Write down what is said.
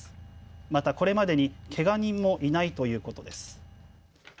また、これまでにけが人もいないということです。